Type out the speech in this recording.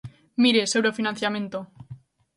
Mire, sobre o financiamento.